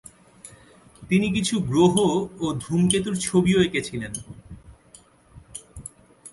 তিনি কিছু গ্রহ ও ধূমকেতুর ছবিও এঁকেছিলেন।